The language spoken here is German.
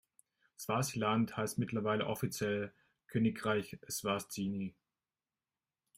Swasiland heißt mittlerweile offiziell Königreich Eswatini.